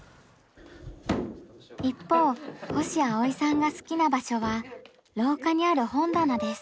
一方星葵さんが好きな場所は廊下にある本棚です。